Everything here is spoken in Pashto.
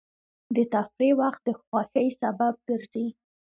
د تفریح وخت د خوښۍ سبب ګرځي.